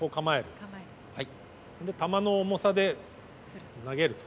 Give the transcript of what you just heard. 球の重さで投げると。